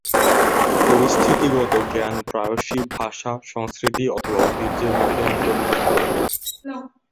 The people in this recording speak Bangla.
পরিস্থিতি গত জ্ঞান প্রায়শই ভাষা, সংস্কৃতি, অথবা ঐতিহ্যের মধ্যে অন্তর্নিহিত থাকে।